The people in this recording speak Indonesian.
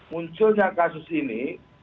munculnya kasus ini